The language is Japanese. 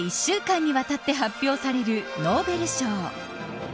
今日から１週間にわたって発表されるノーベル賞。